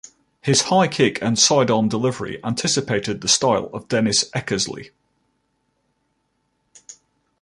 His high kick and sidearm delivery anticipated the style of Dennis Eckersley.